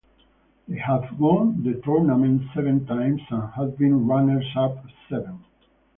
They have won the tournament seven times and have been runners-up seven.